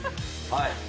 はい。